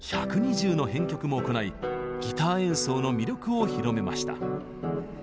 １２０の編曲も行いギター演奏の魅力を広めました。